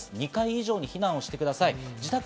２階以上に避難してください。